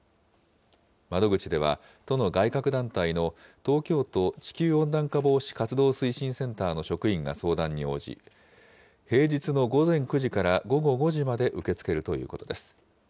窓口では、都の外郭団体の東京都地球温暖化防止活動推進センターの職員が相談に応じ、平日の午前９時から午後５時まで受け付けるということです。